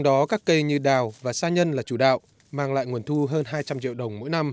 do đó các cây như đào và sa nhân là chủ đạo mang lại nguồn thu hơn hai trăm linh triệu đồng mỗi năm